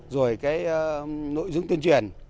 rồi cái nội dung tuyên truyền